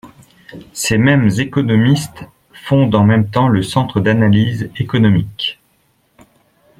Ces mêmes économistes fondent en même temps le Centre d'analyse économique.